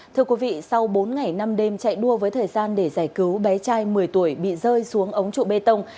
thưa quý vị sau bốn ngày năm đêm chạy đua với thời gian để giải cứu bé trai một mươi tuổi bị rơi xuống ống trụ bê tông